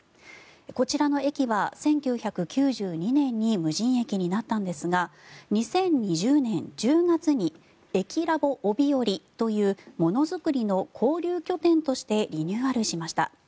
こちらの駅は１９９２年に無人駅になったんですが２０２０年１０月にＥｋｉＬａｂ帯織というものづくりの交流拠点としてリニューアルしました。